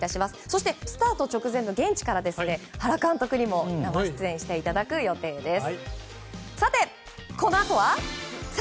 そして、スタート直前の現地から原監督にも生出演していただく予定です。